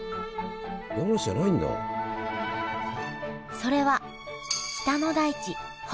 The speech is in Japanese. それは北の大地